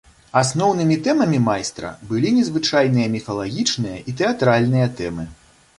Асноўнымі тэмамі майстра былі незвычайныя міфалагічныя і тэатральныя тэмы.